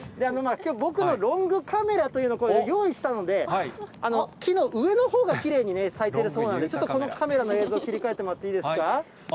きょう、僕のロングカメラというのを用意したので、木の上のほうがきれいに咲いてるそうなんで、ちょっとこのカメラの映像、切り替えてもらっていいですか。